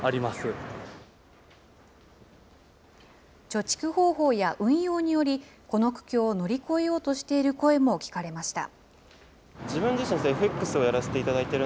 貯蓄方法や運用により、この苦境を乗り越えようとしている声も聞かれました。